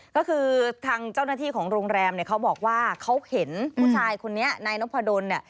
ก็คือทางเจ้าหน้าที่ของโรงแรมเนี่ยเขาบอกว่าเขาเห็นผู้ชายคนนี้นายนพดลเนี่ย